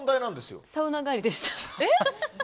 サウナ帰りでした。